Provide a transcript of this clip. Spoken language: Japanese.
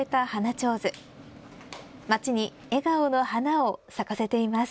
町に笑顔の花を咲かせています。